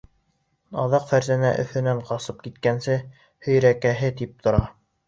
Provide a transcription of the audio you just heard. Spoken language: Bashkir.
Аҙаҡ, Фәрзәнә Өфөнән ҡасып киткәнсе, һөйәркәһе итеп тота.